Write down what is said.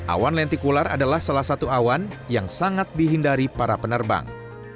awan lentikular adalah salah satu awan yang sangat dihindari para penerbang